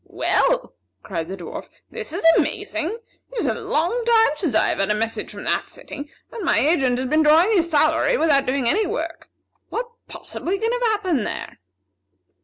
"Well!" cried the Dwarf, "this is amazing! It is a long time since I have had a message from that city, and my agent has been drawing his salary without doing any work. What possibly can have happened there?"